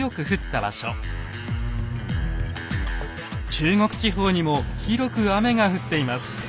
中国地方にも広く雨が降っています。